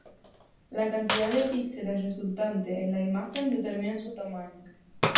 La cantidad de píxeles resultante en la imagen determina su tamaño.